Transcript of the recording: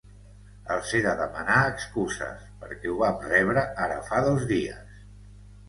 Els he de demanar excuses, perquè ho vam rebre ara fa dos dies.